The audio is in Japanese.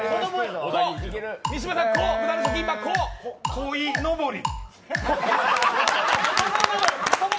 こいのぼり。